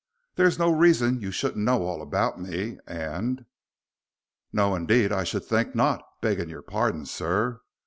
"There is no reason you shouldn't know all about me, and " "No, indeed, I should think not, begging your pardon, sir.